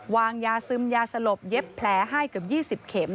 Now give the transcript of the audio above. วางยาซึมยาสลบเย็บแผลให้เกือบ๒๐เข็ม